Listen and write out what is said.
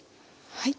はい。